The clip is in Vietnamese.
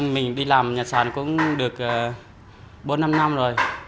mình đi làm nhà sàn cũng được bốn năm năm rồi